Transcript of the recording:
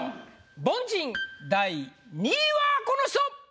凡人第２位はこの人！